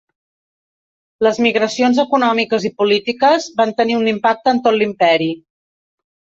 Les migracions econòmiques i polítiques van tenir un impacte en tot l'imperi.